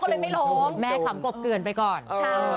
ก็เลยไม่ล้มแม่ขำกบเกือนไปก่อนใช่